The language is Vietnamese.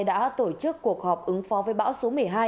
đã tổ chức cuộc họp ứng phó với bão số một mươi hai